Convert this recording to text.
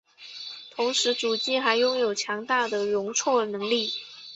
同时主机还拥有强大的容错能力。